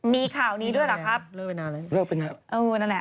มีข่าวนี้ด้วยเหรอครับเอ้านั่นแหละ